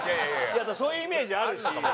そういうイメージあるし。